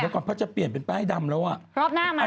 เดี๋ยวก่อนพ่อจะเปลี่ยนเป็นป้ายดำแล้วรอบหน้ามา